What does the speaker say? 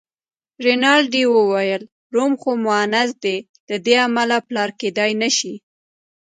رینالډي وویل: روم خو مونث دی، له دې امله پلار کېدای نه شي.